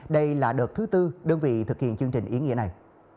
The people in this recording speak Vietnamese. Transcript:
đây là đợt thứ tư đơn vị thực hiện chương trình ý nghĩa này